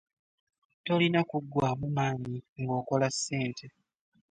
Tolina kugwamu manyi nga okola ssente.